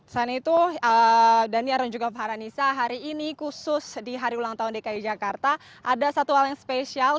selain itu dan ya orang juga farhan nisa hari ini khusus di hari ulang tahun dki jakarta ada satu hal yang spesial